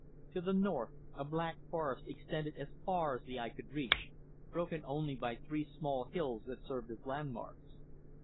To the north a black forest extended as far as the eye could reach, broken only by three small hills that served as landmarks.